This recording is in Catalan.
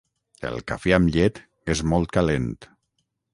El cafè amb llet és molt calent.